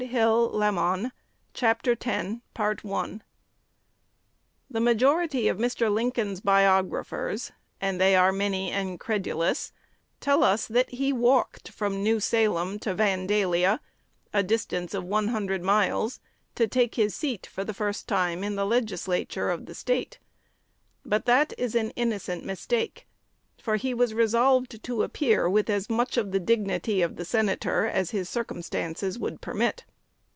H. Browning. CHAPTER X THE majority of Mr. Lincoln's biographers and they are many and credulous tell us that he walked from New Salem to Vandalia, a distance of one hundred miles, to take his seat, for the first time, in the Legislature of the State. But that is an innocent mistake; for he was resolved to appear with as much of the dignity of the senator as his circumstances would permit.